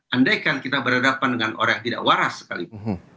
andaikan kita berhadapan dengan orang yang tidak waras sekalipun